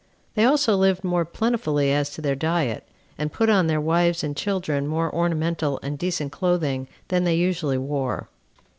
They also lived more plentifully as to their diet; and put on their wives and children more ornamental and decent clothing than they usually wore.